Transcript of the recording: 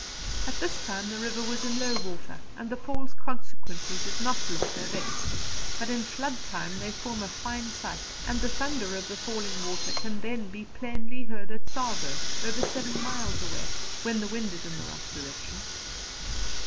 At this time the river was in low water, and the falls consequently did not look their best; but in flood time they form a fine sight, and the thunder of the falling water can then be plainly heard at Tsavo, over seven miles away, when the wind is in the right direction.